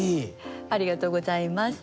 ありがとうございます。